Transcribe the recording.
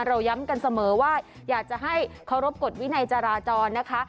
เราย้ำกันเสมอว่าอยากจะให้เคารพกฎวินัยจราจรนะคะ